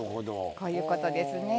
こういうことですね。